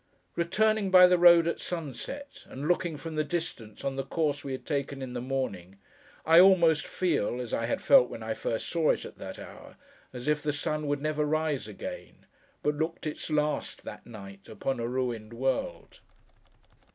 Returning, by the road, at sunset! and looking, from the distance, on the course we had taken in the morning, I almost feel (as I had felt when I first saw it, at that hour) as if the sun would never rise again, but looked its last, that night, upon a ruined world.